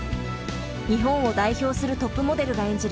日本を代表するトップモデルが演じる